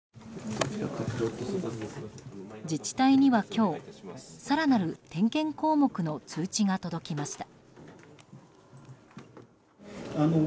自治体には今日更なる点検項目の通知が届きました。